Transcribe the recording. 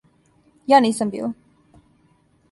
Ја нисам била.